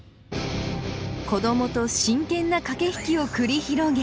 子どもと真剣な駆け引きを繰り広げＢ！